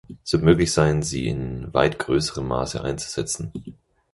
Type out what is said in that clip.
Es wird möglich sein, sie in weit größerem Maße einzusetzen.